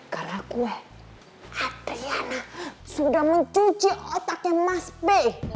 karena gue adriana sudah mencuci otaknya mas b